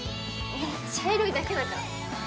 もう茶色いだけだから。